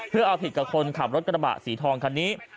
เพื่อเอาผิดกับคนขับรถกระบะสีทองคันนี้